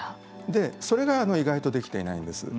それが意外とできていないんです。